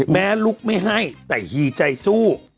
แม้ลุกไม่ให้แต่หี่ใจสู้